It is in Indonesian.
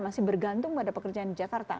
masih bergantung pada pekerjaan di jakarta